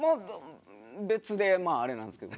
別でまああれなんですけど。